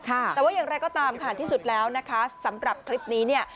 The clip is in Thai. แต่ว่าอย่างไรก็ตามค่ะที่สุดแล้วนะคะสำหรับคลิปนี้เนี่ย